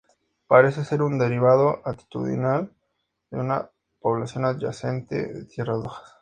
Parece ser un derivado altitudinal de una población adyacente de tierras bajas.